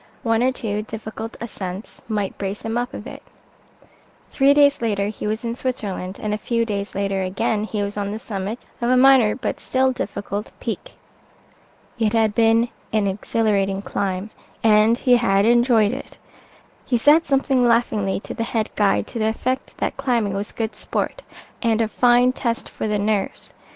One or two difficult ascents might brace him up a bit. Three days later he was in Switzerland, and a few days later again he was on the summit of a minor but still difficult peak. It had been an exhilarating climb, and he had enjoyed it. He said something laughingly to the head guide to the effect that climbing was good sport and a fine test for the nerves.